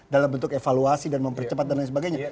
dalam bentuk evaluasi dan mempercepat dan lain sebagainya